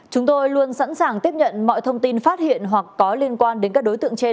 chúng tôi luôn sẵn sàng tiếp nhận mọi thông tin phát hiện hoặc có liên quan đến các đối tượng trên